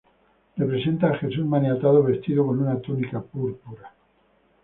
Representa a Jesús maniatado vestido con una túnica púrpura.